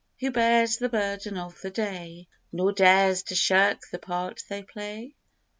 Who bears the burden of the day Nor dares to shirk the part they play?